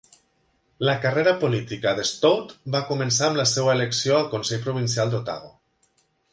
La carrera política de Stout va començar amb la seva elecció al Consell provincial d'Otago.